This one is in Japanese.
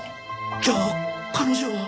じゃあ彼女は。